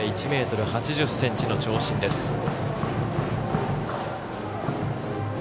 １ｍ８０ｃｍの長身です。